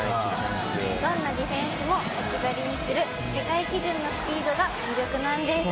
「どんなディフェンスも置き去りにする世界基準のスピードが魅力なんです」